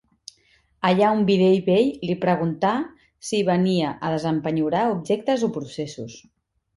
Allà un bidell vell li pregunta si venia a desempenyorar objectes o processos.